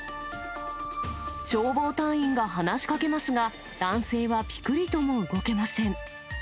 消防隊員が話しかけますが、男性はぴくりとも動けません。